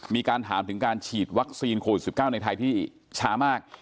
มีการถามถึงการฉีดวัคซีนโควิด๑๙ในไทยที่ช้ามาก